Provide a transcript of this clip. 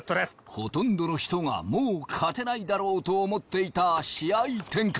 ほとんどの人がもう勝てないだろうと思っていた試合展開。